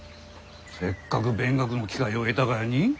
せっかく勉学の機会を得たがやに？